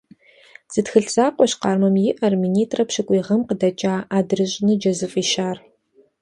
Зы тхылъ закъуэщ Къармэм иӀэр – минитӀрэ пщыкӀуй гъэм къыдэкӀа «АдрыщӀ ныджэ» зыфӀищар.